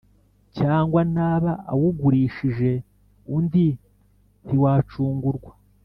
Cyangwa naba awugurishije undi ntiwacungurwa